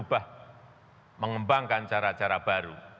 berubah mengembangkan cara cara baru